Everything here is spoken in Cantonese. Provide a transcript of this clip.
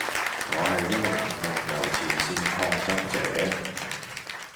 我係一名夢遊前線抗爭者